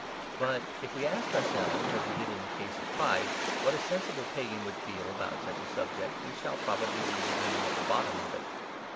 But if we ask ourselves (as we did in the case of pride) what a sensible pagan would feel about such a subject, we shall probably be beginning at the bottom of it.